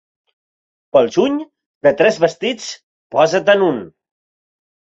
Pel juny, de tres vestits, posa-te'n un.